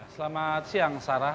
selamat siang sarah